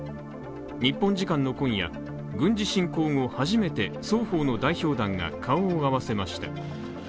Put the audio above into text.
日本時間の今夜、軍事侵攻後、初めて双方の代表団が顔を合わせました。